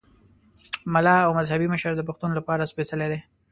ملا او مذهبي مشر د پښتون لپاره سپېڅلی دی.